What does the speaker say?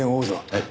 はい。